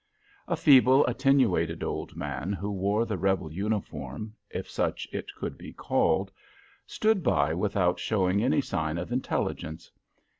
A feeble; attenuated old man, who wore the Rebel uniform, if such it could be called, stood by without showing any sign of intelligence.